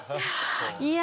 いや！